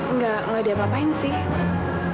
enggak gak diapain sih